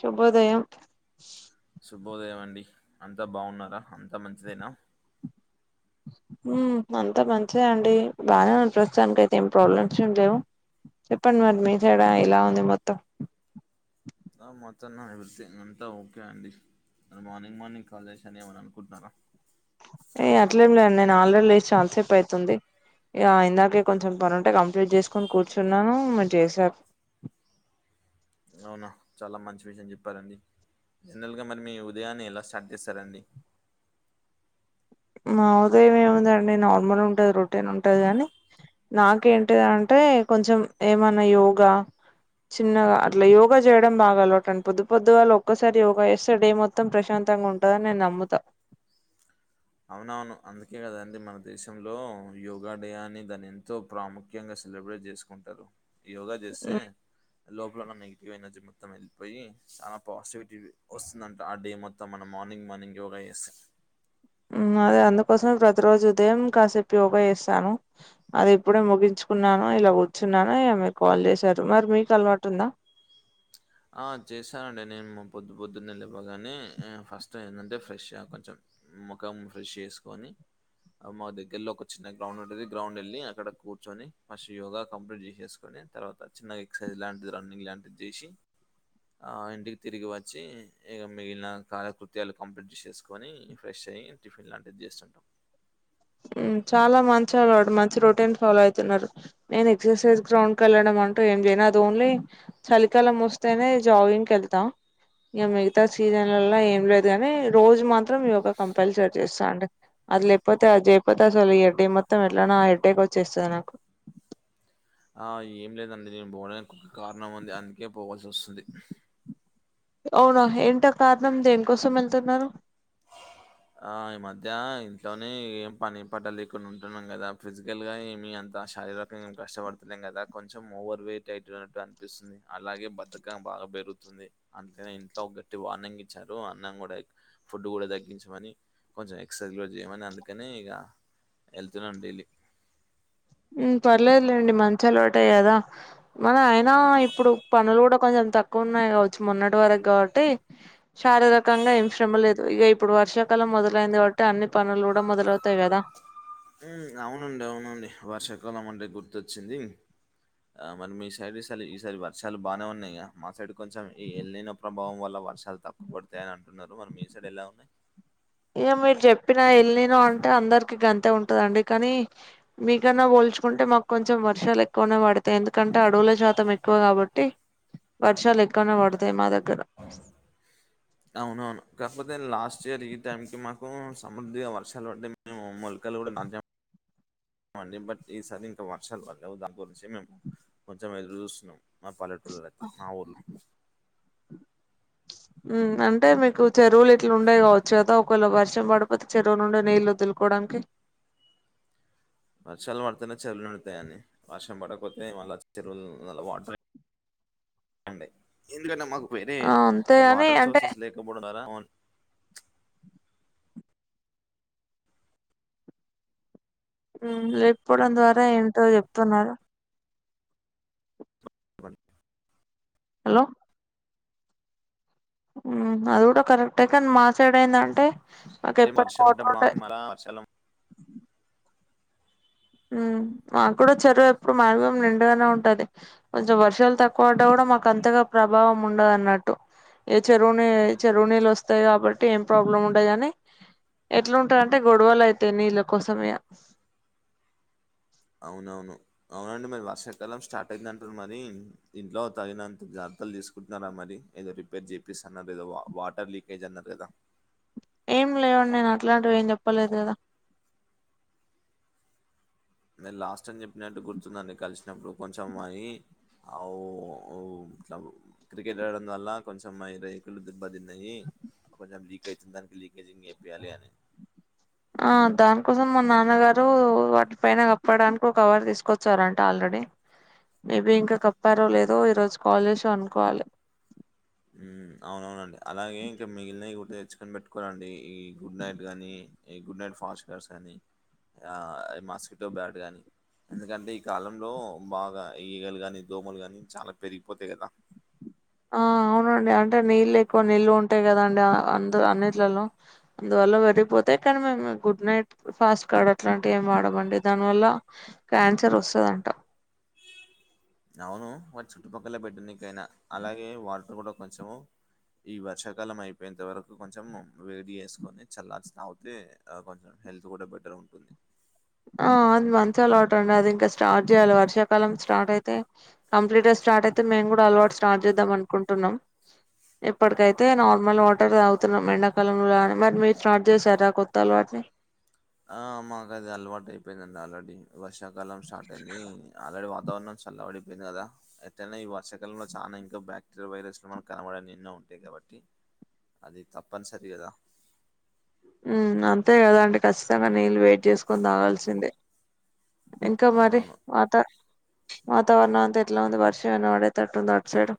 శుభోదయం శుభోదయం అండి అంతా బాగున్నారా అంతా మంచిదేనా మ్ అంతా మంచిదే అండి బాగానే ఉన్ ప్రస్తుతానికి అయితే ఏం ప్రాబ్లమ్స్ ఏం లేవు చెప్పండి మరి మీ సైడ్ అ ఏలా ఉంది మొత్తం ఆ మొత్తం నాకు తెలిసి అంత ఓకే అండి మార్నింగ్ మార్నింగ్ కాల్ చేశా అని ఏమన్న అనుకుంటున్నారా ఏ అట్లేం లేండి నేను ఆల్రెడీ లేసి చాలాసేపు అవుతుంది ఇగ ఇందాకే కొంచెం పనుంటే కంప్లీట్ చేసుకొని కూర్చున్నాను మేర్ చేసారు అవునా చాలా మంచి విషయం చెప్పారండి జనరల్ గా మరి మీ ఉదయాన్ని ఎలా స్టార్ట్ చేస్తారండి మా ఉదయం ఏేముందండి నార్మల్ ఉంటది రొటీన్ ఉంటది గాని నాకేంటిది అంటే ంటే కొంచం ఏమన్న యోగా చిన్నగా అట్లా యోగా చేయడం బాగా అలవాటండి పొద్దు పొద్దు గల ఒక్కసారి యోగా చేస్తే డే మొత్తం ప్రశాం తంగా ఉంటదని నేను నమ్ముతా అవునవును అందుకే కదండి మన దేశంలో యోగా డే అని దాని ఎంతో ప్రాముఖ్యంగా సెలబ్రేట్ చేసుకుంటారు యోగా చేస్తే లోపలన్న నెగిటివ్ ఎనర్జీ మొత్తం వెళ్ళిపోయి చాలా పాజిటివిటీ వస్తుందంట ఆ డే మొత్తం మనం మార్నింగ్ మార్నింగ్ యోగా చేస్తే మ్ అదే అందుకోసమే ప్రతి రోజు ఉదయం కాసేపు యోగా చేస్తాను అది ఇప్పుడే ముగించుకున్నా ఇలా కూర్చున్నా ఇగ మీరు కాల్ చేశారు మరి మీకు అలవాటు ఉందా అ చేస్తనండి నేను పొద్దు పొద్దున్నే లేవగానే ఫస్ట్ ఏంటంటే ఫ్రెష్గా కొంచెం ముఖం ఫ్రెష్ చేసుకొని మా దగ్గర్లో ఒక చిన్న గ్రౌండ్ ఉంటుది గ్రౌండ్ వెళ్ళి అక్కడ కూర్చొని ఫస్ట్ యోగా కంప్లీట్ చేసేసుకోని తర్వాత చిన్నగా ఎక్సర్సైజ్ లాంటిది రన్నింగ్ లాంటిది చేసి ఆ ఇంటికి తిరిగి వచ్చి ఇగ మిగిలిన కాలకృత్యాలు కంప్లీట్ చేసుకొని ఫ్రెష్ అయ్యి టిఫిన్ లాంటిది చేస్తుంటాం మ్ చాలా మంచి వాడు మంచి రొటీన్ ఫాలో అవుతున్నారు నేను ఎక్సర్సైజ్ గ్రౌండ్ కేళ్ళడం అ ంటు ఏం చేయను అది ఓన్లీ చలికాలం వస్తేనే జాగింగ్కి వెళ్తా ఇగ మిగతా సీజన్లల ఏం లేదు గాని రోజు మత్రం యో కంపల్సరీ చేస్తా అండి అది లేకపోతే అది చే కాకపోతే అసలు ఇగ డే మొత్తం ఎట్లనో హెడేక్ వచ్చేస్తది నాకు ఆ ఏం లేదు అండి నేను పోవడానికి ఒక కారణం ఉంది అందుకే పోవల్సి వస్తుంది అవునా ఏంటి అ కారణం దేనికోసం వెళ్తున్నారు ఆ ఈ మధ్య ఇంట్లోనే ఏం పని పట లేకుండా ఉంటున్నాం కదా ఫిజికల్ గా ఏమి అం శారీరకంగాం కష్టపడతులే కదా కొంచెం ఓవర్ వయిట్ అయిన్నట్టు అనిపిస్తుంది అలాగే బద్దకం బా బా పెరుగుతుంది అంటనే ఇంట్లో ఒక గట్టి వార్నింగ్ ఇచ్చారు అన్నం కూడా ఫుడ్ కూడా తగ్గించ ని కొంచెం ఎక్ససైజ్ చేయమని అందుకనే ఇగా వెళ్తున్న డైలీ పర్లేదులేండి మంచాలువాటే కదా మనం అయినా ఇప్పుడు పనులు కూడా కొంచెం తక్కువ ఉన్నాయి కావచ్చు మొటి వరకు కాబట్టి శారీరకంగా ఏం శ్రమ లేదు ఇక ఇప్పుడు వర్ష కాలం మొదలైంది కాబట్టి అన్ని పనులు కూడా మొదలవుతాయి కదా అవునండి అవునండి వర్షాకాలం అంటే గుర్తొచ్చింది ఆ మరి మీ సైడ్ స ఈ సారి వర్షాలు బాగానే ఉన్నాయియా మా సైడ్ కొంచెం ఈ ఎలరైన ప్రభావం వల్ల వర్షాలు తక్కువ పడతాయని అంటున్నారు మరి మీ సైడ్ ఎలా ఉన్నాయి ఇక మీరు చెప్పినా వెళ్ళను అంటే అందరి అంతే ఉంటదండి కానీ మీకన్నా పోల్చుకుంటే మాకు కొంచెం వర్షాలు ఎక్కువనే పడతాయి ఎందుకంటే అంటే అడవుల శాతం ఎక్కువ కాబట్టి వర్షాలు ఎక్కువనే పడతాయి మా దగ్గర అవునవును కాకపోతే లాస్ట్ ఇయర్ ఈ టైం కి మాకు సమృద్ధిగా వర్షాలు పడ్ మేము మూలు కూడా [unintelligible] మందిని బట్టి ఈసారి ఇంకా వర్షాలు పడలేవు దాని గురించి మేము కొంచెం ఎదురు చూస్తున్నాం మా పల్లెటూరువాళ్ల తే మా ఊర్లో ఉం అంటే మీకు చెరువులు ఇట్లా ఉండేయి కావచ్చు కదా ఒకవేళ వర్షం పడిపోతే చెరువు నుండే నీళ్లు వదులు కోవడానికి [inaudible] వర్షాలు పడుతనే చెరువులు నిండు తాయియని వర్షం పడకపోతే మళ్ళ చెరువులు వాటర్ అండి ఎందుకంటే మాకు వేరే ఆ అంతేగాని వాటర్ అంటే సోర్సెస్ లేకపోవడం ద్వారా ఒ ఉ లేకపోవడం ద్వారా ఏంటో చెప్తున్నారు‌ [inaudible] హలో అది కూడా కరెక్టే కానీ మాసాడైందంటే ఏ వర్షం పడ్డప్పుడు మరాల వర్షాల ఉం మకుడా చెరువు ఎప్పుడు మాక్సిమం నిండగానే ఉంటది కొంచెం వర్షాలు తక్కువ వడ్డ కూడా మాకు అంతగా ప్రభావం ఉండదన్నట్టు ఏ చెరువుని చెరువు నీళ్ళు వస్తాయి కాబట్టి ఏం ప్రాబ్లం ఉండదు కాని ఎట్లుంటది అంటే గొడవలు అయితేయి నీళ్ళ కోసం ఇగా అవునవును అవునండి మరి వర్షాకాలం స్టార్ట్ అయిందంటారు మరి ఇంట్లో తగినంత జాగ్రత బట్టలు తీసుకుంటున్నారా మరి ఏదో రిపేర్ చేపిస్త అన్నారు ఏదో వాటర్ లీకేజ్ అన్నారు కదా ఏం లేవండి నేను అట్లాంటివి ఏం చెప్పలేదు కదా నేను లాస్ట్ టైం చెప్పినట్టు గుర్తుందండి కలిసినప్పుడు కొంచెం మాయి అవ్ అవ్ఇట్లా క్రికెట్ ఆడడం వల్ల కొంచెం రేకులు దిబ్బతిన్నాయి కొంచెం లీకేజి ఉంది దానికి లీకేజీ చేపియలని ఆ దానికోసం మా నాన్నగారు వాటి పైన కప్పడానికి ఒక కవర్ తీసుకొచ్చారంట ఆల్రెడీ మేబి ఇంకా కప్పారో లేదో ఈ రోజు కాల్ చేసి కనుక్కోవాలి ఉ అవునవునండి అలాగే ఇంకా మిగిలినవి గుర్తు తెచ్చుకని పెట్టుకోవాలండి ఈ గుడ్ నైట్ గాని ఈ గుడ్ నైట్ ఫాస్ట్ కార్డు కాని ఆ మాస్కిటో బ్యాట్ గాని ఎందుకంటే ఈ కాలంలో బాగా ఈగలు గాని దోమలు గాని చాలా పెరిగిపోతాయి కదా [unintelligible] ఆ అవునండి అంటే నీళ్లు ఎక్కువ నిలువ ఉంటాయి కదండి అందు అన్నింటిలలో అందువల్ల వెరిగిపోతే అ కాని మేము గుడ్ నైట్ ఫాస్ట్ కార్డ్ అట్లాంటివి ఎం వాడమండి దాని వల్ల క్యాన్సర్ వస్తుందం టా [inaudible] అవును వారి చుట్టుపక్కల పెట్టినికైనా అలాగే వాటర్ కూడా కొంచెం ఈ వర్షాకాలం అయిపోయేంత వరకు కొంచెం వేడి చేసుకొని చల్లార్చి తాగుతే ఆ కొంచెం హెల్త్ కూడా బెటర్ ఉంటుంది ఆ అది మంచి అలవాటు అండి అది ఇంకా స్టార్ట్ చేయాలి వర్షాకాలం స్టార్ట్ అయితే కంప్లీట్గా స్టార్ట్ అయితే మేం కూడా అలవాటు స్టార్ట్ చేద్దాం అనుకుంటున్నాం ఇప్పటికైతే నార్మల్ టర్ తాగుతున్నాం ఎండాకాల కద అని మరి మీరు స్టార్ట్ చేసారా కొత్త అలవాటు ని ఆ మాకు అది అలవాటు అయిపోయిందండి ఆల్రెడీ వర్షాకాలం స్టార్ట్ అయింది ఆల్రెడీ వ వాతావరం చల్లబడిపోయింది కదా ఎట్రైన నా ఈ వర్షకాలంలో చాలా ఇంకా బ్యాక్టీరియా వైరస్ మనకు కనబడనివి ఎన్నో ఉం టాయి కాబట్టి అది తప్పనిసరి కదా మ్ అంతే కదా అండి ఖచ్చితంగా నీళ్ళు వేడి చేసుకొని తాగాల్సిందే ఇంకా మరి అవునవును. వాటర్ వాతావరణం అంత ఎట్లనో వర్షం ఏమైన పడేటట్టు ఉందా అటు సైడు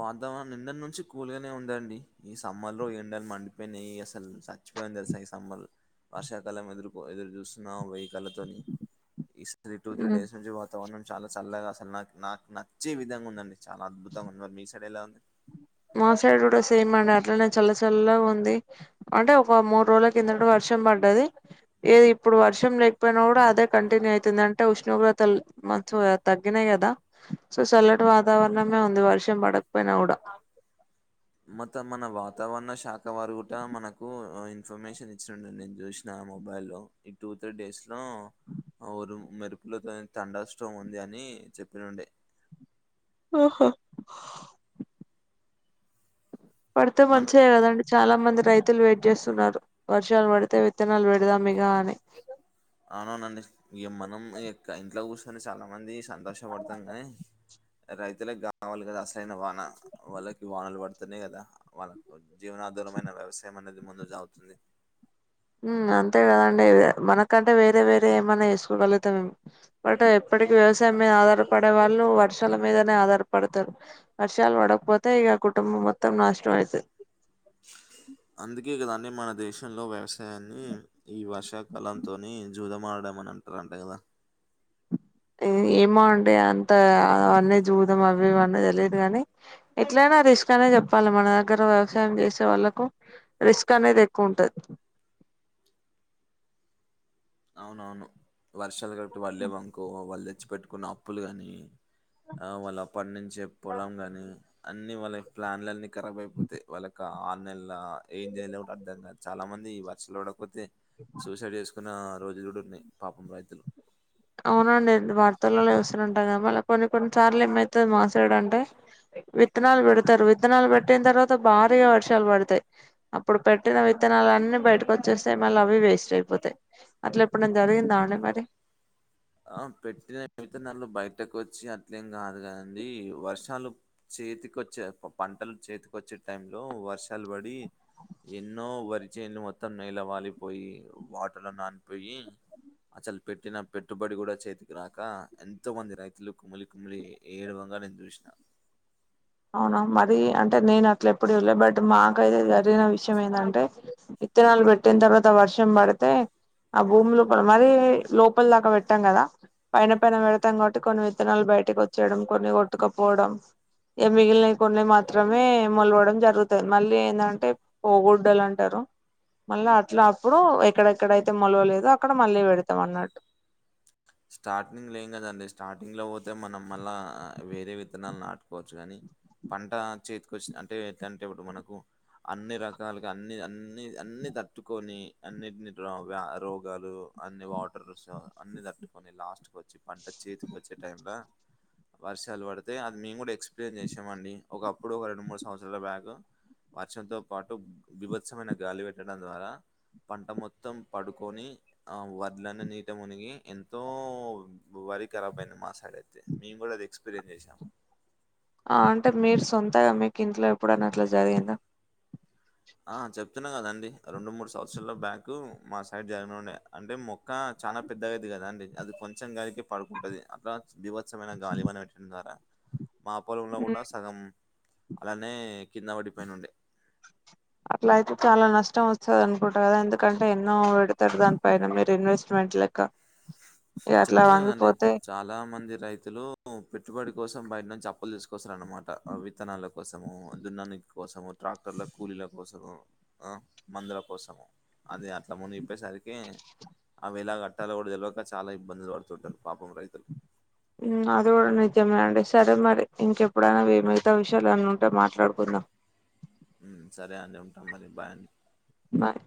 వాతావరణం నిన్నటి నుంచి కూల్గానే ఉందండి ఈ సమ్మర్ లో ఎండలు మండిపోయినాయి అసలు ఇచ్చిపోఇంది తెలుస ఈ సమ్మర్ వర్షాకాలం ఎదుర్ ఎదురు చూస్తున్నా గల్లా తోని ఇ త్రీ ఉమ్ డేస్ నుంచి వాతావరణం చాలా చల్లగా అసలు నాకు నాకు నచ్చే విధంగా ఉందండి చాలా అద్భుతంగా ఉంది మీ సైడ్ ఎలా ఉంది మా సైడ్ కూడా సేమ్ అండి అట్లనే చల్ల చల్లగా ఉంది అంటే ఒక మూడు రోజుల కిందట వర్షం వర్షం పడ్డది ఇది ఇప్పుడు వర్షం లేకపోయినా కూడా అదే కంటిన్యూ అవుతుంది అంటే ఉష్ణోగ్రతలు మంచు తగ్గినాయి కదా సో చల్లటి వాతావరణమే ఉంది వర్షం పడకపోయినా కూడా మొత్తం మన వాతావరణ శాఖ వారు కూడా మనకు ఇన్ఫర్మేషన్ ఇచ్చినుండి నేను చూసినా మొబైల్ లో ఈ టూ త్రీ డేస్ లో ఆ ఉరు మెరుపులతో తండాష్టం ఉంది అని చెప్పేది ఉండే ఆహా పడితే మన మంచిదే కదండి చాలా మంది రైతులు వెయిట్ చేస్తున్నారు వర్షాలు పడితే విత్తనాలు పెడుదాం ఇగా అని అవునవునండి ఇగ మనం ఇంట్లో కూర్చొని చాలా మంది సంతోష పడుతం గని రైతులకు కావలి కదా అసలైన వాన వాళ్ళకి వానాలు పడుతనే కదా వాళ్ళ కు జీవనా దరమైన వ్యవసాయం అనేది ముందుకు సాగుతుంది మ్ అంతే కదండి మనకంటే వేరే వేరే ఏమన్నా వేసుకోగలుగుతాం మేము బట్ ఎప్పు ప్పటికి వ్యవసాయం మీద ఆధారపడే వాళ్ళు వర్షాల మీదనే ఆధారపడతారు వర్షాలు పడకపోతే ఇగ కుటుంబం మొత్తం నాషనం అయితది అందుకే కదండీ మన దేశ్ శంలో వ్యవసాయాన్ని ఈ వర్షాకాలంతోని జూదమారడం అని అంటారంట కదా మ్ ఏమొ అండి అంత అ అన్నీ చూదాం అవిే ఇవన్నీ తెలియదు కానీ ఎట్లా రిస్క్ అనే చెప్పాలి మన దగ్గర వ్యవసాయం చేసే వాళ్ళలకు రిస్క్ అనేది ఎక్కువ ఉంటది అవునవును వర్షాలు కాబట్టి వాళ్లేే వంకు వాళ్ళే పెట్టుకున్న అప్పులు గాని ఆ వాళ్ళ పండించే పొలం గాని అన్నిీ వాళ్ళయి ప్లాన్ లన్నీ ఖరాబ్ అయిపోతాయి వాళ్ళకి ఆన్లైన్ ల ఏం చేయలేరు కాబట్టి అర్ధం కాదు చాలా మంది వర్షలు పడకపోతే సూసైడ్ చేస్ ఇస్తున్న రోజులు ఉన్నాయి పాపం రైతులు అవునండి వార్తల్లో చూస్తు ఉంటా క మళ్ళీ కొన్ని కొన్ని సార్లు ఏమైతే మాసైడంటే విత్తనాలు పెడతారు. విత్తనాలు పెట్టిన తర్వాత భారీగా వర్షాలు పడతాయి అప్పుడు పెట్టిన వి త్తనాలన్నీ బయటకు వచ్చేస్తే మళ్ళీ అవి వేస్ట్ అయిపోతాయి. అట్లా ఎప్పుడై జరిగిందావుండి మరి? ఆ పెట్టిన విత్తనాలు బయటకు వచ్చి అట్లేం కాదు కదండి వర్షాలు చి చేతికొచ్చే పంటలు చేతికొచ్చే టైంలో వర్షాలు పడి ఎన్నో వరి చేలు మొత్తం నేల వాలిపోయి వాటలో నానిపోయి అ చల్ పెట్టి నా పెట్ ట్టుబడి కూడా చేతికి రాక ఎంతో మంది రైతులు కుమిలి కుమిలి ఏడువంగా నేను చూసిన అవునా మర అంటే నేను అట్ల ఎప్పుడ వెళ్లే బట్ మాకైతే జరిగిన విషయం ఏందంటే ఇత్నాలు పెట్టిన తర్వాత వర్షం మడితే ఆ భూమి లోపల మరి లోపల దాకా పెట్టాం కదా పైన పైన పెడతాం కాబట్టి కొన్ని విత్తనాలు బ బయటకి వచ్చేడం, కొన్ని కొట్టుకపోవడం ఏ మిగిలినవి కొన్ని మాత్రమే మొలవడం జరుగుతుంది. మళ్ళీ ఏంటంటే పోగుడ్డలు అంటారు. మళ్ళీ అట్లా అప్పుడు ఎక్కడెక్కడయితే మొలవలేదు అక్కడ మళ్ళీ పెడతాం అన్నట్టు స్టార్టింగ్ లో ఏం కదండి స్టార్టింగ్ లో పోతే మనం మళ్ళా వేరే విత్తనాలు నాటుకోవచ్చు కానీ పంట చేతికి వచ్చి అంటే ఎంటే ఇప్పుడు మనకు అన్ని రకాలుగా అన్ని అన్ని అన్ని తట్టుకొని అన్నిటి రోగ రోగాలు అన్ని వాటర్ లుస్సో అన్ని తట్టుకొని లాస్ట్ క వచ్చి పంట చేతికి వచ్చే టై ల వర్షాలు పడితే అన్ని ము ఎక్స్ప్లేెయిన్ చేసామండి ఒకప్పుడు ఒక రెండు మూడు సంవత్సరాల బ్యాక్ వర్షంతో పాటు విభత్సమైన గాలి పెట్టడం ద్వారా పంట మొత్తం పడుకొని ఆ వరలనే నీట మునిగి ఎం తో వారీ కరాబ్ అయింది మా సైడ అయితే మేము కూడా అది ఎక్స్పీరియన్స్ చేసాము. ఆ అంటే మీరు సొంతగా మీకు ఇంట్లో ఎప్పుడనా అట్లా జరిగిందా? ఆ చెప్తున్నా కదండి రెండు మూడు సంవత్సరాాల బ్యాకు మా సైడ్ జరగండే అంటే మొక్క చాలా పెద్దగాయిద్ధి కదా అండి అది వచ్చిన గాలికి పడుకుంటది. అట్లా దీవత్సమైన గాలి వానలికి గన్ గాదా మా పొలంలో హ్మ్. కూడా సగం అలానే కింద వడి పైనుండే అట్లా అయితే చాలా నష్టం వస్తుంది అనుకుంటు కదా ఎందుకంటే ఎన్నో పెడతారు దానిపైన మీరు ఇన్వెస్ట్మెంట్. అట్లక్క చెప్తున్నా కదండి చాలా మంది రైతులు పెట్టుబడి కోసం బయట నుంచి అప్పులు తీసుకు కోసరు అనమాట విత్తనాల కోసము దున్నన్ని కోసము ట్రాక్టర్ల కూలీల కోసము ఆ మందుల కోసము అది అట్లా ముందు ఇప్పేసరి అకే ఆ విలా గట్టాలు కూడా తెలివక చాలా ఇబ్బందులు పడుతుంటారు పాపం రైతులు అది కూడా నిజమే అండి సరే మరి ఇంకెప్పుడైనా మి మిగతా విషయాలున్న ఉంటే మాట్లాడుకుందాం. సరే అండి ఉంటాం మరి బాయ్ అండి నాయ్